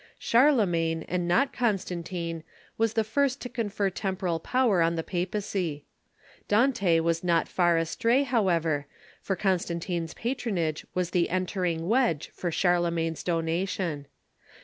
Charlemagne, and not Constantine, was the first to confer tem poral power on the papacy. Dante was not far astray, how ever, for Constantine's patronage was the entering wedge for Charlemagne's donation.